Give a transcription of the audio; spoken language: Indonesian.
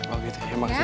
oh gitu ya makasih tante